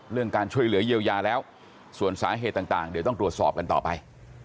การช่วยเหลือเยียวยาแล้วส่วนสาเหตุต่างเดี๋ยวต้องตรวจสอบกันต่อไป